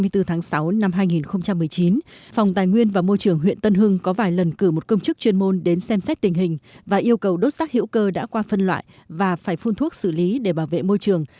ngày hai mươi bốn tháng sáu năm hai nghìn một mươi chín phòng tài nguyên và môi trường huyện tân hưng có vài lần cử một công chức chuyên môn đến xem xét tình hình và yêu cầu đốt rác hữu cơ đã qua phân loại và phải phun thuốc xử lý để bảo vệ môi trường